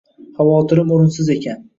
Xavotirim o`rinsiz ekan